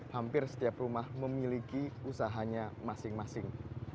hampir setiap rumah memiliki usahanya masing masing